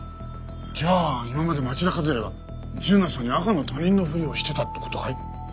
じゃあ今まで町田和也は純奈さんに赤の他人のふりをしてたって事かい？